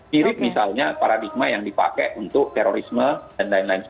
mirip misalnya paradigma yang dipakai untuk terorisme dan lain lain